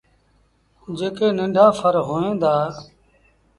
جيڪي ننڍآ ڦر هوئين دآ۔